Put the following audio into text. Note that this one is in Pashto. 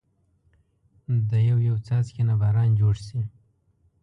دا يو يو څاڅکي نه باران جوړ شي